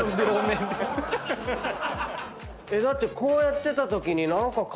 だってこうやってたときに何か。